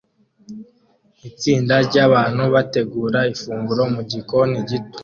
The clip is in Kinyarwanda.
Itsinda ryabantu bategura ifunguro mugikoni gito